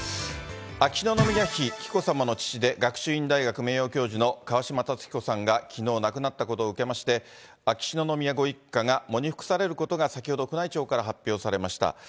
秋篠宮妃紀子さまの父で学習院大学名誉教授の川嶋辰彦さんがきのう亡くなったことを受けまして、秋篠宮ご一家が喪に服されることが先ほど宮内庁から発表されました。